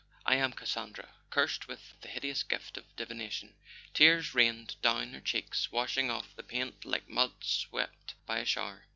I am Cassandra, cursed with the hideous gift of divination." Tears rained down her cheeks, washing off the paint like mud swept by a shower.